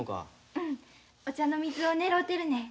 うんお茶の水を狙うてるねん。